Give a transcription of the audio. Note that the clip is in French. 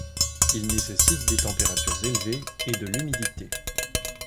Il nécessite des températures élevées et de l'humidité.